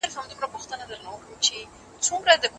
د لویې جرګي په لوی تالار کي څه ډول فضا حاکمه ده؟